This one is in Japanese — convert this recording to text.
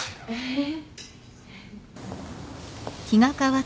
えっ。